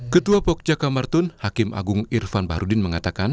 ketua pogja kamar tun hakim agung irfan bahrudin mengatakan